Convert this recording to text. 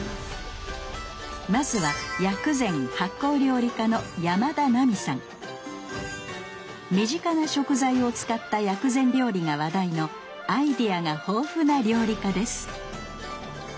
まずは身近な食材を使った薬膳料理が話題のアイデアが豊富な料理家です。